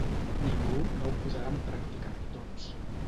Ningú no ho posarà en pràctica, doncs.